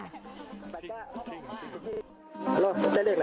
หรอได้เรียกไหม